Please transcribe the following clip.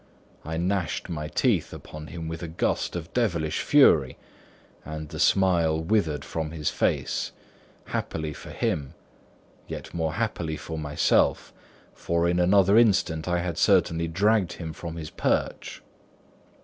I gnashed my teeth upon him with a gust of devilish fury; and the smile withered from his face—happily for him—yet more happily for myself, for in another instant I had certainly dragged him from his perch.